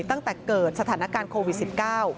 ตั้งแต่เกิดสถานการณ์โควิด๑๙